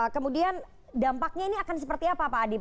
kemudian dampaknya ini akan seperti apa pak adib